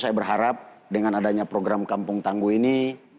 saya berharap dengan adanya program kampung tangguh ini